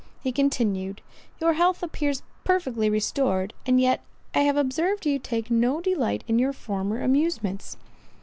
He continued, "Your health appears perfectly restored, and yet I have observed you take no delight in your former amusements."